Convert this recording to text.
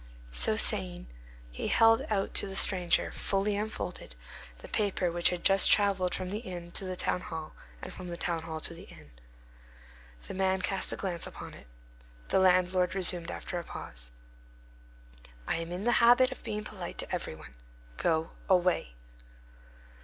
So saying, he held out to the stranger, fully unfolded, the paper which had just travelled from the inn to the town hall, and from the town hall to the inn. The man cast a glance upon it. The landlord resumed after a pause. "I am in the habit of being polite to every one. Go away!"